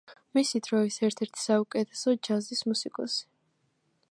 მისი დროის ერთ-ერთი საუკეთესო ჯაზის მუსიკოსი.